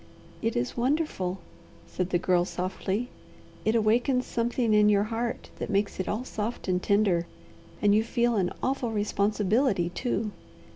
"It is wonderful," said the Girl softly. "It awakens something in your heart that makes it all soft and tender, and you feel an awful responsibility, too.